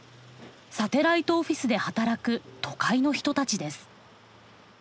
サテライトオフィスで働く都会の人たちです。